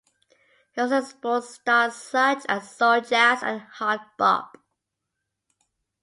He also explored styles such as soul jazz and hard bop.